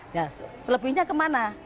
nah selebihnya kemana